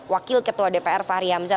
wakil ketua dpr fahri hamzah